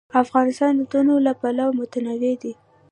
افغانستان د تنوع له پلوه متنوع دی.